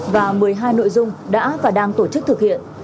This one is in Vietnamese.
và một mươi hai nội dung đã và đang tổ chức thực hiện